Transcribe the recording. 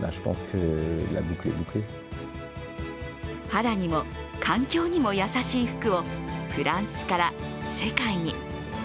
肌にも環境にも優しい服をフランスから世界に。